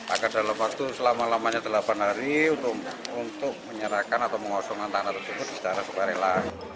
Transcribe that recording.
agar dalam waktu selama lamanya delapan hari untuk menyerahkan atau mengosongkan tanah tersebut secara sukarela